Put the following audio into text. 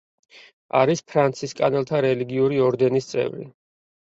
არის ფრანცისკანელთა რელიგიური ორდენის წევრი.